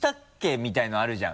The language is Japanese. みたいなのあるじゃん。